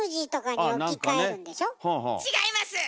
違います！